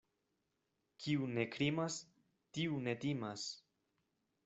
Kiu ne krimas, tiu ne timas.